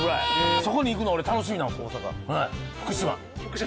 そこに行くの、俺、楽しみなんですよ、福島。